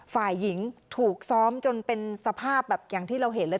ฝ่ายหญิงถูกซ้อมจนเป็นสภาพแบบอย่างที่เราเห็นเลย